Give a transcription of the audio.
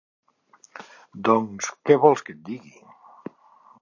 Doncs què vols que et digui.